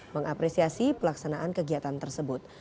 mengapresiasi pelaksanaan kegiatan tersebut